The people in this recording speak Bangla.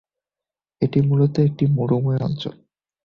এটি মূলত একটি মরুময় অঞ্চল।